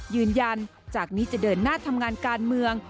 ยืนยันจากนี้จะเดินหน้าทำงานการเมือง